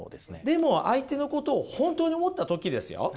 でも相手のことを本当に思った時ですよ